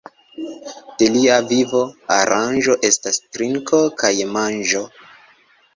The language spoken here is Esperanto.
De lia vivo aranĝo estas trinko kaj manĝo.